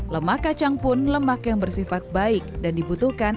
lemak kacang pun lemak yang bersifat baik dan dibutuhkan